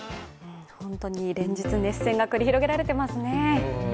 連日、熱戦が繰り広げられてますね。